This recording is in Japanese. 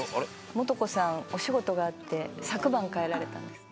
「素子さんお仕事があって昨晩帰られたんです」